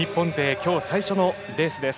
今日最初のレースです。